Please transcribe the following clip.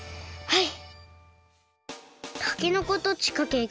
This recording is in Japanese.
はい！